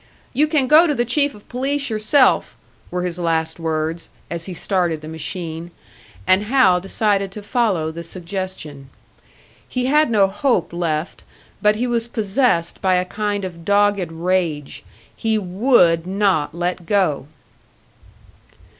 "You can go to the Chief of Police yourself," were his last words, as he started the machine; and Hal decided to follow the suggestion. He had no hope left, but he was possessed by a kind of dogged rage. He would not let go!